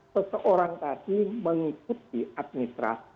seseorang tadi mengikuti administrasi